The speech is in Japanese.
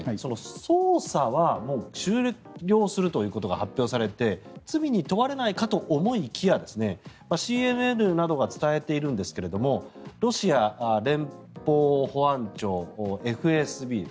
捜査は終了するということが発表されて罪に問われないかと思いきやＣＮＮなどが伝えているんですがロシア連邦保安庁・ＦＳＢ